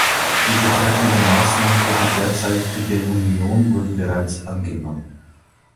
Die betreffenden Maßnahmen für die derzeitige Union wurden bereits angenommen.